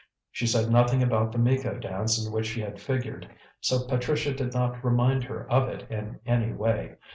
She said nothing about the Miko dance in which she had figured, so Patricia did not remind her of it in any way.